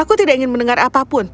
aku tidak ingin mendengar apapun